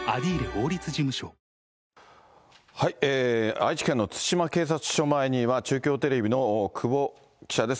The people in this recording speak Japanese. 愛知県の津島警察署前には、中京テレビのくぼ記者です。